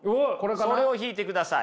それを引いてください。